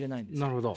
なるほど。